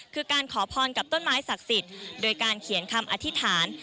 คือการขอพรกับต้นไม้ศักดิ์สิทธิ์โดยการเขียนคำอธิษฐาน